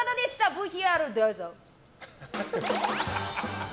ＶＴＲ、どうぞ。